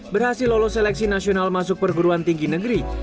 berhasil lolos seleksi nasional masuk perguruan tinggi negeri